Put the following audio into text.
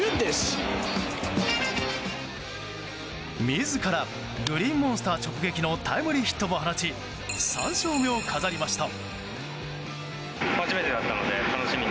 自らグリーンモンスター直撃のタイムリーヒットも放ち３勝目を飾りました。